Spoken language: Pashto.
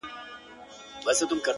په زلفو ورا مه كوه مړ به مي كړې’